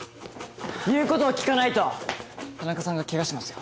言うことを聞かないと田中さんがケガしますよ。